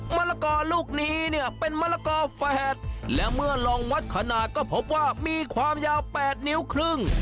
มะละกอลูกนี้เนี่ยเป็นมะละกอแฝดและเมื่อลองวัดขนาดก็พบว่ามีความยาว๘นิ้วครึ่ง